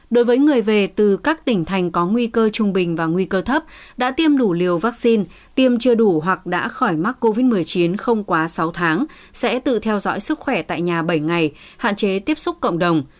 đối với người về từ các tỉnh thành có nguy cơ trung bình và nguy cơ thấp đã tiêm đủ liều vaccine tiêm chưa đủ hoặc đã khỏi mắc covid một mươi chín không quá sáu tháng sẽ tự theo dõi sức khỏe tại nhà bảy ngày hạn chế tiếp xúc cộng đồng